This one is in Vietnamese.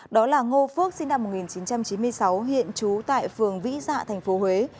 đó là ngô phước sinh năm một nghìn chín trăm chín mươi sáu hiện trú tại phường vĩ dạ tp huế